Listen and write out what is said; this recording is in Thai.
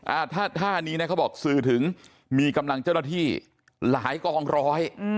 อ่าท่าท่านี้นะเขาบอกสื่อถึงมีกำลังเจ้าหน้าที่หลายกองร้อยอืม